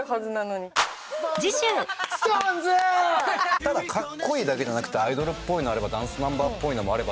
次週ただかっこいいだけじゃなくてアイドルっぽいのあればダンスナンバーっぽいのもあれば。